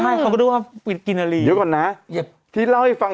ไม่เขาก็เรียกว่าปิดกินอรีเดี๋ยวก่อนนะที่เล่าให้ฟัง